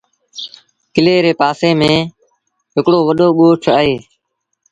ڪلي ري پآسي ميݩ هڪڙو وڏو ڳوٺ اهي۔